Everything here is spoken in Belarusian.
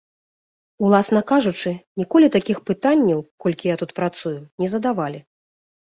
Уласна кажучы, ніколі такіх пытанняў, колькі я тут працую, не задавалі.